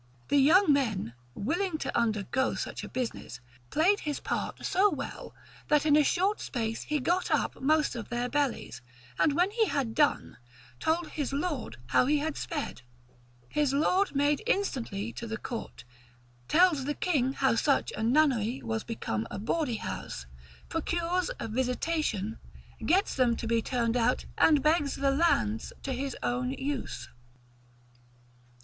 The young man, willing to undergo such a business, played his part so well, that in short space he got up most of their bellies, and when he had done, told his lord how he had sped: his lord made instantly to the court, tells the king how such a nunnery was become a bawdy house, procures a visitation, gets them to be turned out, and begs the lands to his own use.